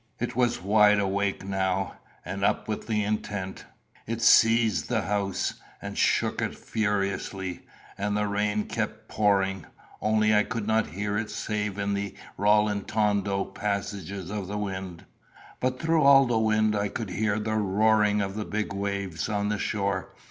It was wide awake now, and up with intent. It seized the house, and shook it furiously; and the rain kept pouring, only I could not hear it save in the rallentondo passages of the wind; but through all the wind I could hear the roaring of the big waves on the shore.